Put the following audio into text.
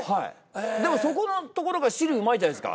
でもそこのところが汁うまいじゃないですか。